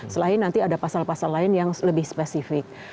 selain nanti ada pasal pasal lain yang lebih spesifik